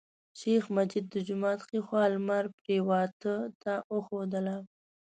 شیخ مجید د جومات ښی خوا لمر پریواته ته وښودله.